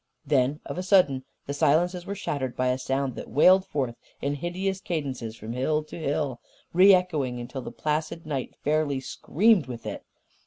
Then, of a sudden, the silences were shattered by a sound that wailed forth in hideous cadences from hill to hill; re echoing until the placid night fairly screamed with it.